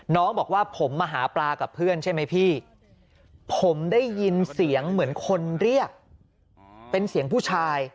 น้องบอกว่าผมมาหาปลากับเพื่อนใช่ไหมพี่ผมได้ยินเสียงเหมือนคนเรียกเป็นเสียงผู้ชาย